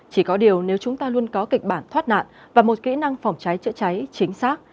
chỉ có điều nếu chúng ta luôn có kịch bản thoát nạn và một kỹ năng phòng cháy chữa cháy chính xác